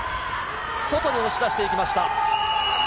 外に押し出してきました。